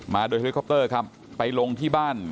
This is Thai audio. มาโดยเฮลิคอปเตอร์ครับไปลงที่บ้าน